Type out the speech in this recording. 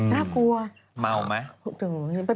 น่ากลัวเมาไหม